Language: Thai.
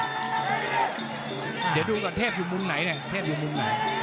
เดี๋ยวดูก่อนเทพอยู่มุมไหนเนี่ยเทพอยู่มุมไหน